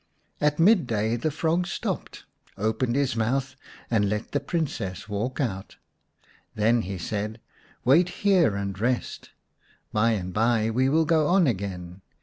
At mid day the frog stopped, opened his mouth, and let the Princess walk out. Then he said, " Wait here and rest. By and by we will go on again."